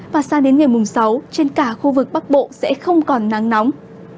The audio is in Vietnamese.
và sang đến ngày mùng sáu trên cả khu vực bắc bộ sẽ không còn nắng nóng